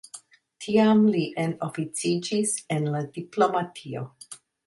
Tiam li enoficiĝis en la diplomatio.